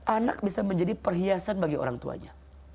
anak bisa menjadi perhiasan bagi orang tuanya